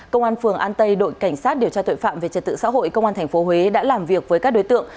công an phường an tây đội cảnh sát điều tra tội phạm về trật tự xã hội công an tp huế đã làm việc với các đối tượng